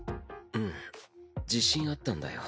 うん自信あったんだよ